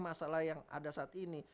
masalah yang ada saat ini